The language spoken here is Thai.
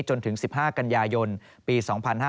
จนถึง๑๕กันยายนปี๒๕๕๙